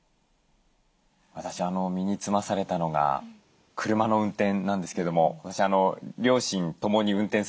私身につまされたのが車の運転なんですけども私両親ともに運転するんですよ。